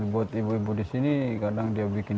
buat ibu ibu di sini kadang dia bikin